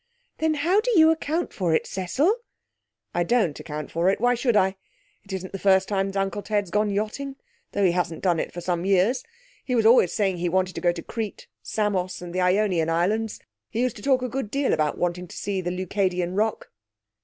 'Then how do you account for it, Cecil?' 'I don't account for it. Why should I? It isn't the first time Uncle Ted's gone yachting. Though he hasn't done it for some years. He was always saying he wanted to go to Crete, Samos, and the Ionian Islands. He used to talk a good deal about wanting to see the Leucadian Rock.'